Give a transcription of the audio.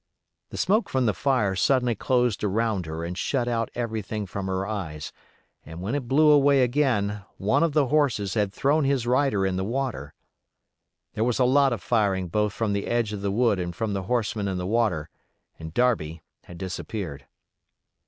The smoke from the fire suddenly closed around her and shut out everything from her eyes, and when it blew away again one of the horses had thrown his rider in the water. There was a lot of firing both from the edge of the wood and from the horsemen in the water, and Darby had disappeared.